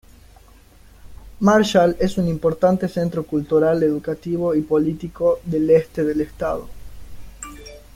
Marshall es un importante centro cultural, educativo, y político del este del estado.